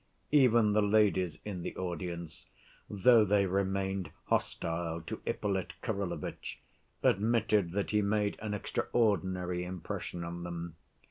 Even the ladies in the audience, though they remained hostile to Ippolit Kirillovitch, admitted that he made an extraordinary impression on them.